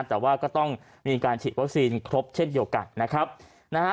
แต่ว่าก็ต้องมีการฉีดวัคซีนครบเช่นเดียวกันนะครับนะฮะ